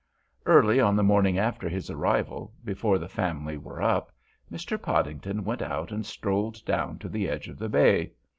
Early on the morning after his arrival, before the family were up, Mr. Podington went out and strolled down to the edge of the bay.